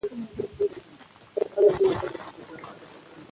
باران د افغانستان د جغرافیې بېلګه ده.